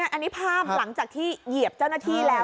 อันนี้ภาพหลังจากที่เหยียบเจ้าหน้าที่แล้ว